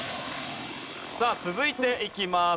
さあ続いていきます。